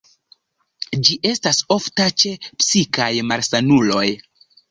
Ĝi estas ofta ĉe psikaj malsanuloj.